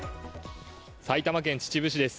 埼玉県秩父市です。